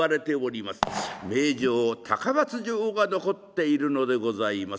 名城高松城が残っているのでございます。